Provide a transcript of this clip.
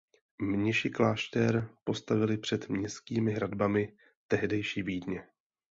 Mniši klášter postavili před městskými hradbami tehdejší Vídně.